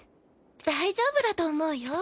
大丈夫だと思うよ。